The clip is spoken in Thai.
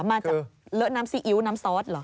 มาจากเลอะน้ำซีอิ๊วน้ำซอสเหรอ